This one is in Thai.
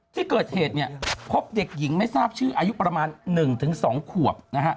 ที่เกิดเหตุพบเด็กหญิงไม่ทราบชื่ออายุประมาณ๑๒ขวบนะฮะ